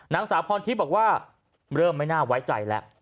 นางสาวพรทิพย์บอกว่าเริ่มไม่น่าไว้ใจแล้ว